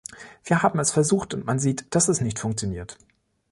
Wir haben es versucht, und man sieht, dass es nicht funktioniert.